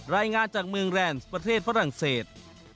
รายงานจากเมืองแรนด์ประเทศฝรั่งเศส